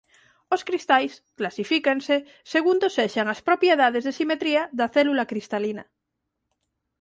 Os cristais clasifícanse segundo sexan as propiedades de simetría da célula cristalina.